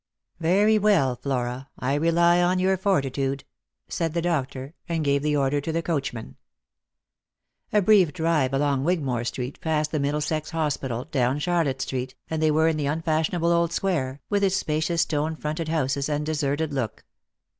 " Yery well, Flora, I rely on your fortitude," said the doctor, and gave the order to the coachman. Lost for Love. 243 A brief drive along Wigmore street, past the Middlesex Hospital, down Charlotte street, and they were in the unfashion able old square, with its spacious stone fronted houses and deserted look.